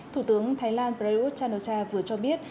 thủ tướng thái lan prayuth chan o cha vừa cho biết